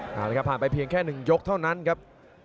เอาละครับผ่านไปเพียงแค่๑ยกเท่านั้นครับ